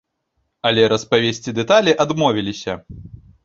Але распавесці дэталі адмовіліся.